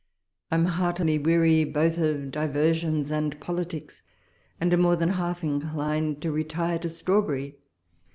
I am heartily weary both of diversions and politics, and am more than half inclined to retire to Strawberry.